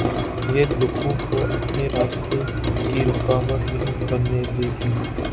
یہ دکھوں کو اپنے راستے کی رکاوٹ نہیں بننے دے گی۔